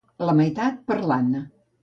La meitat per l'Anna